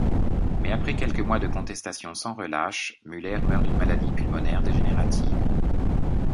Mais après quelques mois de contestation sans relâche, Müller meurt d'une maladie pulmonaire dégénérative.